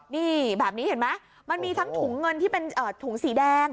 นี่แบบนี้เห็นไหมมันมีทั้งถุงเงินที่เป็นถุงสีแดง